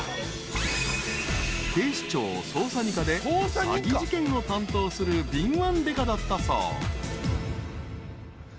［警視庁捜査２課で詐欺事件を担当する敏腕デカだったそう］